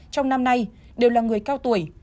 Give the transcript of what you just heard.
trong năm nay đều là người cao tuổi